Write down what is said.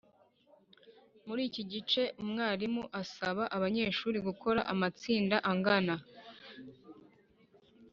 Muri iki gice umwarimu asaba abanyeshuri gukora amatsinda angana